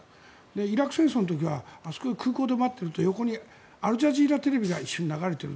イラク戦争の時は空港で待っていると横にアルジャジーラテレビが一緒に流れている。